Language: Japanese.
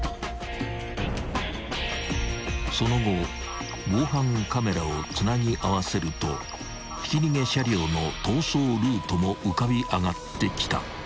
［その後防犯カメラをつなぎ合わせるとひき逃げ車両の逃走ルートも浮かび上がってきた］